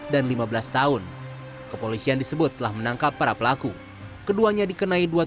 lima belas tahun kepolisian disebut telah menangkap para pelaku keduanya dikenai dua